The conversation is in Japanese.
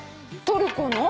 トルコの？